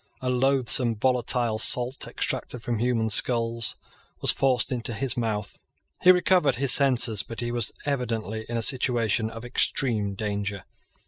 A loathsome volatile salt, extracted from human skulls, was forced into his mouth. He recovered his senses; but he was evidently in a situation of extreme danger.